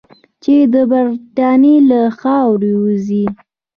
چې د برټانیې له خاورې ووځي.